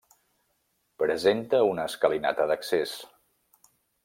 Presenta una escalinata d'accés.